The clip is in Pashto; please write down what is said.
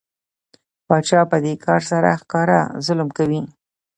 پاچا په دې کار سره ښکاره ظلم کوي.